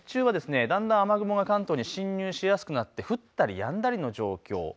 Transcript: ただそのあと日中はだんだん雨雲が関東に進入しやすくなって降ったりやんだりの状況。